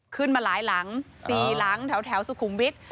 ขึ้นมาหลายหลัง๔หลังแถวสุขุมวิทย์